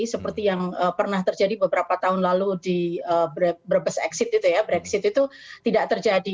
seperti yang pernah terjadi beberapa tahun lalu di brexit itu tidak terjadi